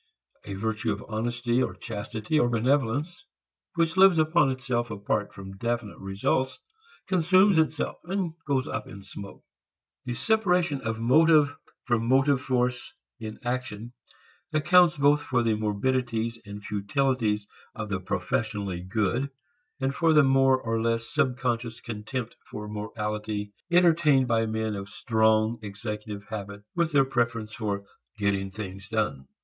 A virtue of honesty, or chastity or benevolence which lives upon itself apart from definite results consumes itself and goes up in smoke. The separation of motive from motive force in action accounts both for the morbidities and futilities of the professionally good, and for the more or less subconscious contempt for morality entertained by men of a strong executive habit with their preference for "getting things done."